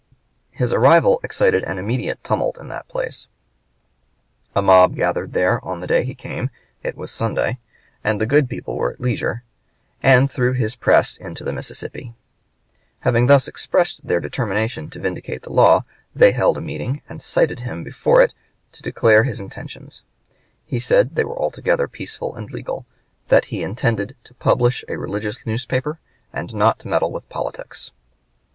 His arrival excited an immediate tumult in that place; a mob gathered there on the day he came it was Sunday, and the good people were at leisure and threw his press into the Mississippi. Having thus expressed their determination to vindicate the law, they held a meeting, and cited him before it to declare his intentions. He said they were altogether peaceful and legal; that he intended to publish a religious newspaper and not to meddle with politics.